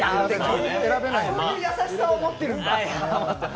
そういう優しさを持ってるんだ、うれしい。